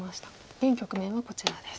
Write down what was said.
現局面はこちらです。